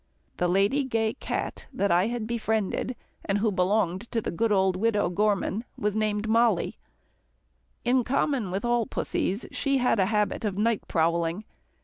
The Lady Gay cat that I had befriended, and who belonged to the good old widow Gorman, was named Mollie. In common with all pussies, she had a habit of night prowling.